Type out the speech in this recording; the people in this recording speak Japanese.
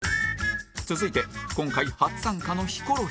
続いて今回初参加のヒコロヒー